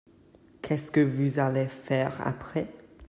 Qu'est-ce que vous allez faire après ?